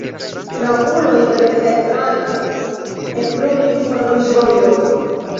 La okuloj de l' hetmano ekbrulis pro ĝojo.